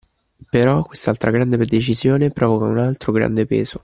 Però quest'altra grande decisione provoca un altro grande peso